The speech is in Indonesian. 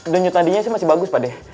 denyut tadinya sih masih bagus pade